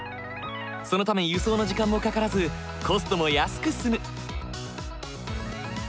そのため輸送の時間もかからずコストも安く済む。